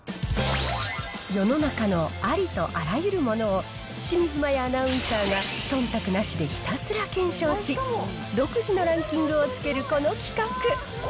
世の中のありとあらゆるものを清水麻椰アナウンサーが、そんたくなしでひたすら検証し、独自のランキングをつけるこの企画。